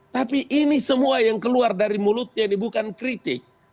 tapi ini semua yang keluar dari mulutnya ini bukan kritik